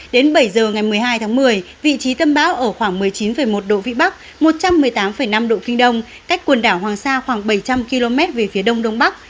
đến bảy giờ ngày một mươi hai tháng một mươi vị trí tâm bão ở khoảng một mươi chín một độ vĩ bắc một trăm một mươi tám năm độ kinh đông cách quần đảo hoàng sa khoảng bảy trăm linh km về phía đông đông bắc